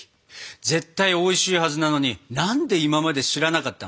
絶対おいしいはずなのに何で今まで知らなかったのか不思議なくらいです。